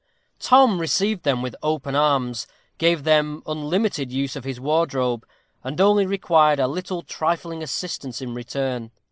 Tom received them with open arms, gave them unlimited use of his wardrobe, and only required a little trifling assistance in return.